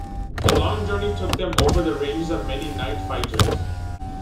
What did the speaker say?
The long journey took them over the ranges of many night fighters.